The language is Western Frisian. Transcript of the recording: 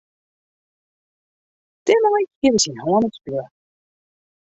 Dêrmei hied er syn hân oerspile.